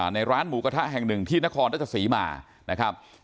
ในร้านหมูกระทะแห่งหนึ่งที่นครราชสีมานะครับ